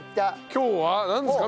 今日はなんですか？